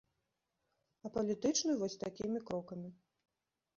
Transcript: А палітычны вось такімі крокамі.